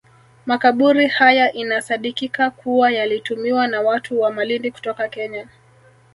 Makaburi haya inasadikika kuwa yalitumiwa na watu wa Malindi kutoka Kenya